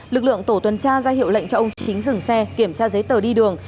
lực lượng tổ tuần tra ra hiệu lệnh cho ông chính dừng xe kiểm tra giấy tờ đi đường